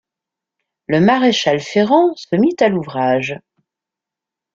Le maréchal ferrant se mit à l’ouvrage.